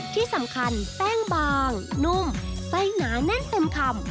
ที่สำคัญแป้งบางนุ่มไส้หนาแน่นเต็มคำ